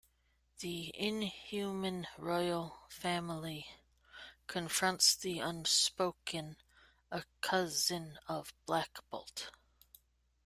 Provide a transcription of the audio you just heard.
The Inhuman Royal Family confronts the Unspoken, a cousin of Black Bolt.